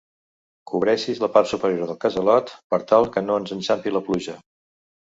Cobreixis la part superior del casalot per tal que no ens enxampi la pluja.